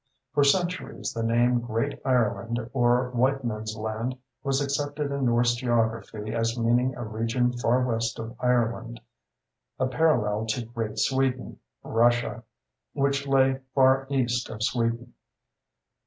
For centuries the name Great Ireland or Whitemen's Land was accepted in Norse geography as meaning a region far west of Ireland, a parallel to Great Sweden (Russia), which lay far east of Sweden.